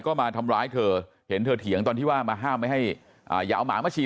ก็มาทำร้ายเธอเห็นเธอเถียงตอนที่ว่ามาห้ามไม่ให้อย่าเอาหมามาฉี